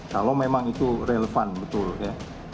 kalau memang itu relevan betul ya